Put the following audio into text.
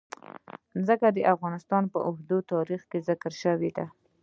ځمکه د افغانستان په اوږده تاریخ کې ذکر شوی دی.